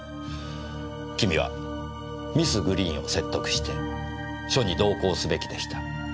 君はミス・グリーンを説得して署に同行すべきでした。